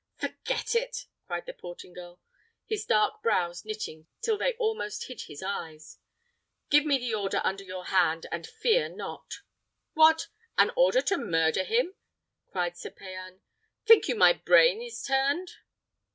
"Forget it!" cried the Portingal, his dark brows knitting till they almost hid his eyes; "give me the order under your hand, and fear not." "What! an order to murder him!" cried Sir Payan. "Think you my brain is turned?"